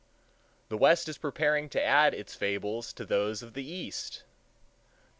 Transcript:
The West is preparing to add its fables to those of the East.